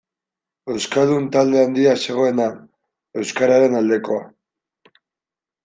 Euskaldun talde handia zegoen han, euskararen aldekoa.